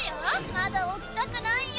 まだ起きたくないよ。